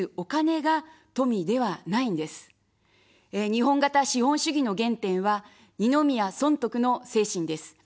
日本型資本主義の原点は、二宮尊徳の精神です。